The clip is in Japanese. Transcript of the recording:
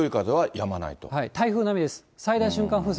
台風並みです。